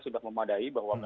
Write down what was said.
sudah memadai bahwa